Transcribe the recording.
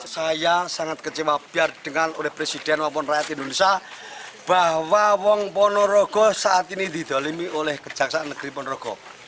saya sangat kecewa dengan presiden dan rakyat indonesia bahwa wong ponorogo saat ini didolimi oleh kejaksaan negeri ponorogo